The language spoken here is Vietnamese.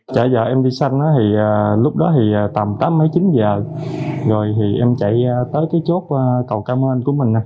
trả vợ em đi xanh lúc đó tầm tám chín giờ rồi em chạy tới chốt cầu cảm ơn của mình